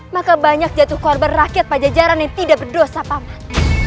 maka banyak jatuh korban rakyat pajajaran yang tidak berdosa paman